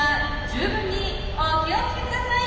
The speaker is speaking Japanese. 十分にお気をつけ下さい！